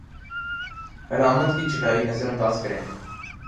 علامات کی چھٹائی نظرانداز کریں